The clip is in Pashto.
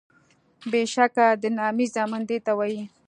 بیشکه د نامي زامن دیته وایي